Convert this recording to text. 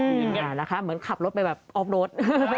อย่างนี้นะคะเหมือนขับรถไปแบบออฟโรด